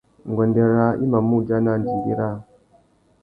Nguêndê râā i mà mù udjana andingui râā.